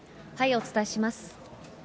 お伝えします。